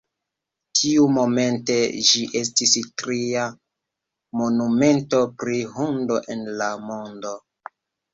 Tiumomente ĝi estis tria monumento pri hundo en la mondo.